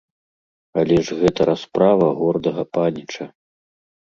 Але ж гэта расправа гордага паніча.